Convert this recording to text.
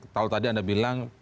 kalau tadi anda bilang